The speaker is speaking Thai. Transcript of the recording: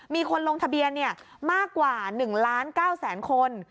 มีคนลงทะเบียนมากกว่า๑ล้าน๙แสนคน